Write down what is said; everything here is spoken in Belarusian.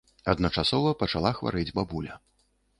Адначасова пачала хварэць бабуля.